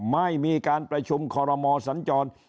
ไม่มีการประชุมคอรมอสัญจร